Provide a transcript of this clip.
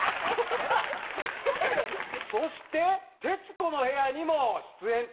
そして『徹子の部屋』にも出演と。